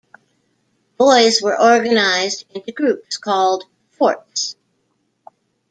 Boys were organized into groups called forts.